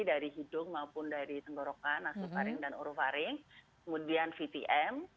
dari hidung maupun dari tenggorokan nasufaring dan orovaring kemudian vtm